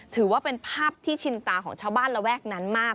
ถือว่าเป็นภาพที่ชินตาของชาวบ้านระแวกนั้นมาก